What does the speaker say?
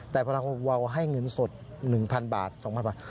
แต่พลังวให้เงินสด๑๐๐บาท๒๐๐บาท